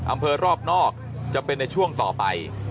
อำเภอรอบนอกจะเป็นในช่วงต่อไป